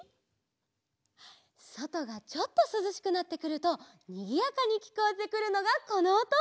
そとがちょっとすずしくなってくるとにぎやかにきこえてくるのがこのおと。